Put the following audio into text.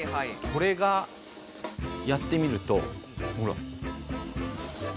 これがやってみるとほら。